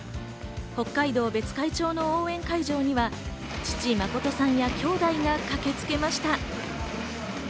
北海道別海町の応援会場には父・誠さんや、きょうだいが駆けつけました。